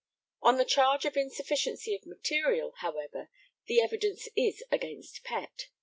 On the charge of insufficiency of material, however, the evidence is against Pett.